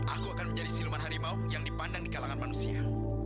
aku akan menjadi siluman harimau yang dipandang di kalangan manusia